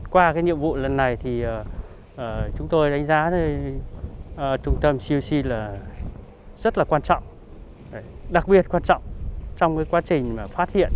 qua cái nhiệm vụ lần này thì chúng tôi đánh giá trung tâm cc là rất là quan trọng đặc biệt quan trọng trong quá trình mà phát hiện